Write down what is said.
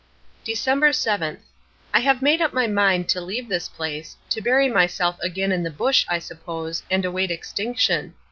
December 7th. I have made up my mind to leave this place, to bury myself again in the bush, I suppose, and await extinction.